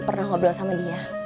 pernah ngobrol sama dia